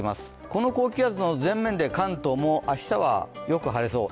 この高気圧の前面で関東も明日はよく晴れそう。